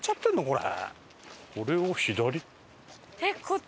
これ。